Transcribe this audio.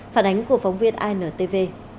phản ánh của phóng viên intv